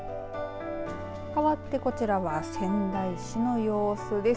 かわってこちらは仙台市の様子です